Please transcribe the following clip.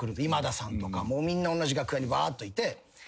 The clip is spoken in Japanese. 今田さんとかもみんな同じ楽屋にばーっといて。